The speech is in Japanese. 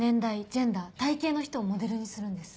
ジェンダー体形の人をモデルにするんです。